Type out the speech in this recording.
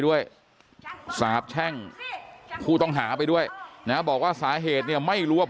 ด้วยสาบแช่งผู้ต้องหาไปด้วยนะบอกว่าสาเหตุเนี่ยไม่รู้ว่า